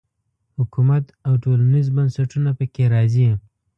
حکومت او ټولنیز بنسټونه په کې راځي.